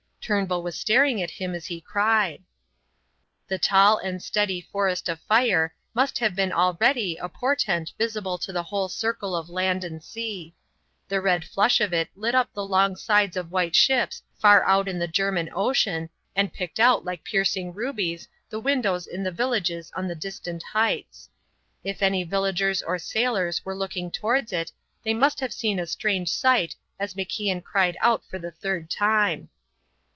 Turnbull was staring at him as he cried. The tall and steady forest of fire must have been already a portent visible to the whole circle of land and sea. The red flush of it lit up the long sides of white ships far out in the German Ocean, and picked out like piercing rubies the windows in the villages on the distant heights. If any villagers or sailors were looking towards it they must have seen a strange sight as MacIan cried out for the third time.